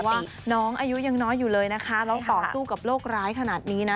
ว่าน้องอายุยังน้อยอยู่เลยนะคะแล้วต่อสู้กับโรคร้ายขนาดนี้นะ